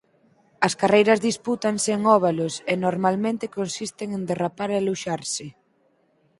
As carreiras dispútanse en óvalos e normalmente consisten en derrapar e luxarse.